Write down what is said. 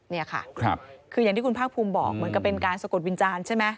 นี่ค่ะคืออย่างที่คุณภาคภูมิบอกเหมือนกับเป็นการสะกดวิญญาณใช่ไหม